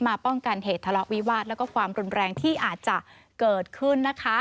ป้องกันเหตุทะเลาะวิวาสแล้วก็ความรุนแรงที่อาจจะเกิดขึ้นนะคะ